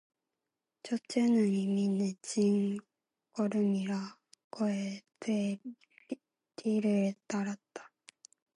첫째는 이미 내친 걸음이라 그의 뒤를 따랐다.